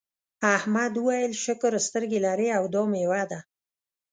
احمد وویل شکر سترګې لرې او دا میوه ده.